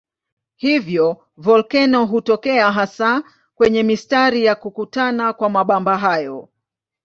Hivyo volkeno hutokea hasa kwenye mistari ya kukutana kwa mabamba hayo.